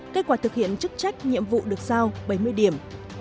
kết quả thực hiện chức trách nhiệm vụ được sao bảy mươi điểm